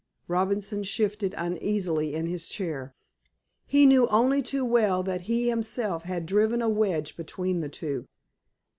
Robinson shifted uneasily in his chair. He knew only too well that he himself had driven a wedge between the two.